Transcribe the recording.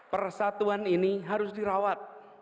persatuan ini harus dirawat